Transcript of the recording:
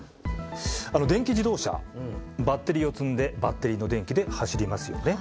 電気自動車バッテリーを積んでバッテリーの電気で走りますよね。